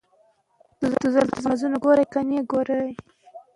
مثبت لید ولرئ.